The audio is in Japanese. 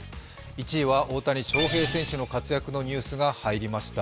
１位は大谷翔平選手の活躍のニュースが入りました。